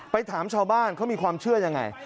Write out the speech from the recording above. ถามชาวบ้านเขามีความเชื่อยังไง